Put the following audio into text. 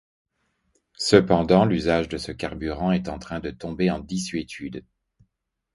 Cependant, l'usage de ce carburant est en train de tomber en désuétude.